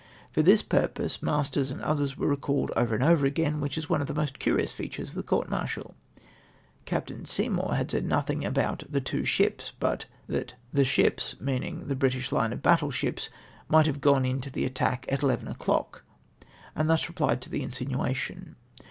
For this purpose masters and others were recalled over and over again — which is one of tlie most curious features of the court martial . Captain Seymour had said notliing about the two ships, but that the ships — meaning the British hne of battle ships — might have gone in to the attack at eleven o'clock, and thus replied to the insinuation.